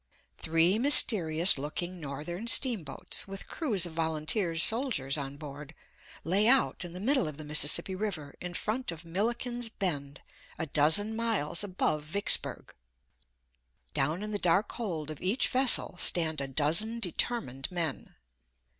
Three mysterious looking Northern steamboats, with crews of volunteer soldiers on board, lay out in the middle of the Mississippi River in front of Milliken's Bend, a dozen miles above Vicksburg. Down in the dark hold of each vessel stand a dozen determined men.